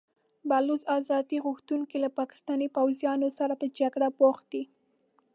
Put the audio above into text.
بلوڅ ازادي غوښتونکي له پاکستاني پوځیانو سره په جګړه بوخت دي.